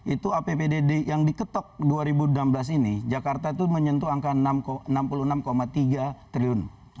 itu apbdd yang diketok dua ribu enam belas ini jakarta itu menyentuh angka enam puluh enam tiga triliun